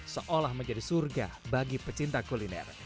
seolah menjadi surga bagi pecinta kuliner